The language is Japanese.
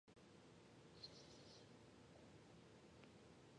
甘味と甘味の違い